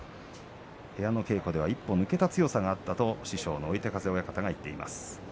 部屋の稽古では一歩抜けて強さがあったと師匠の追手風親方は言っています。